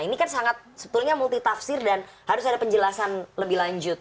ini kan sangat sebetulnya multitafsir dan harus ada penjelasan lebih lanjut